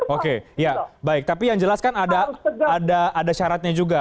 oke ya baik tapi yang jelas kan ada syaratnya juga